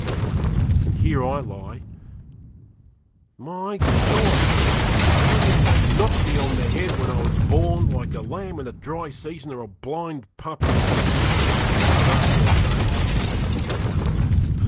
And here I lie my God! why didn't they knock me on the head when I was born, like a lamb in a dry season, or a blind puppy blind enough, God knows!